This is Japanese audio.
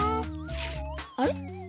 あれ？